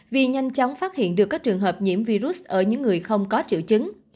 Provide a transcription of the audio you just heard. vì nhanh chóng phát hiện được các trường hợp nhiễm virus ở những người không có triệu chứng